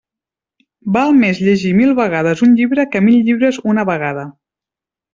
Val més llegir mil vegades un llibre que mil llibres una vegada.